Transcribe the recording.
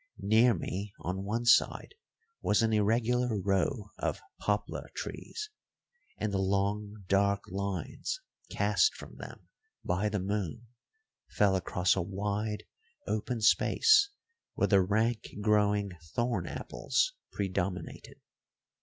Near me on one side was an irregular row of poplar trees, and the long, dark lines cast from them by the moon fell across a wide, open space where the rank growing thorn apples predominated.